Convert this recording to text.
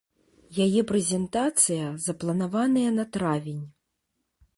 Яе прэзентацыя запланаваная на травень.